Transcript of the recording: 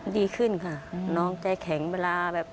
ดีขึ้นค่ะน้องใจแข็งเวลาแบบ